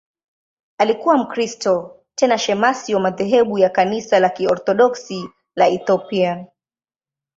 Alikuwa Mkristo, tena shemasi wa madhehebu ya Kanisa la Kiorthodoksi la Ethiopia.